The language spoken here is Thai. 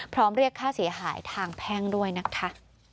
เรียกค่าเสียหายทางแพ่งด้วยนะคะ